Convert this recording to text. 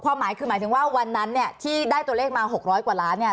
หมายคือหมายถึงว่าวันนั้นเนี่ยที่ได้ตัวเลขมา๖๐๐กว่าล้านเนี่ย